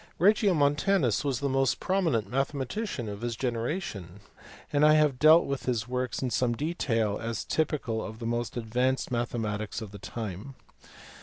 Regiomontanus was the most prominent mathematician of his generation and I have dealt with his works in some detail as typical of the most advanced mathematics of the time.